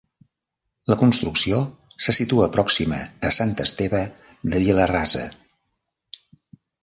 La construcció se situa pròxima a Sant Esteve de Vila-rasa.